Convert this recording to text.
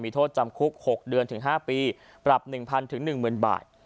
ต่อมีโทษจำคุกหกเดือนถึงห้าปีปรับหนึ่งพันถึงหนึ่งหมื่นบาท